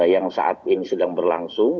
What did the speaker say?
yang saat ini sedang berlangsung